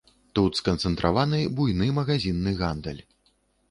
Тут сканцэнтраваны буйны магазінны гандаль.